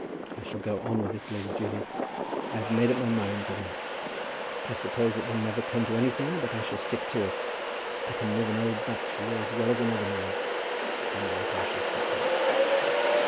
I shall go on with it, Lady Julia. I have made up my mind to that. I suppose it will never come to anything, but I shall stick to it. I can live an old bachelor as well as another man. At any rate I shall stick to it."